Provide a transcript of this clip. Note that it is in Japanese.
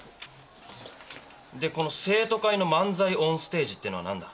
でこの生徒会の漫才オンステージってのは何だ？